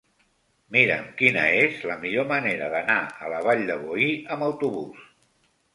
Mira'm quina és la millor manera d'anar a la Vall de Boí amb autobús.